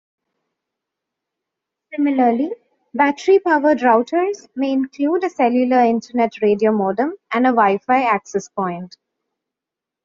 Similarly, battery-powered routers may include a cellular Internet radiomodem and Wi-Fi access point.